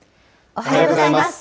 おはようございます。